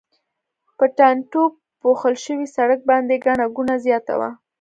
په ټانټو پوښل شوي سړک باندې ګڼه ګوڼه زیاته وه.